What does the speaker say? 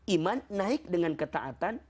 iman naik dengan ketaatan